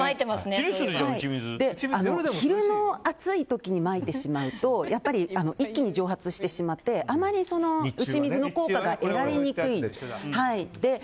昼の暑い時にまいてしまうとやっぱり一気に蒸発してしまってあまり打ち水の効果が得られにくいんです。